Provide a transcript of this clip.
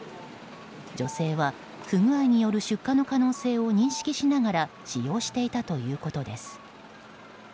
女性は不具合による出火の可能性を認識しながら使用していたということです。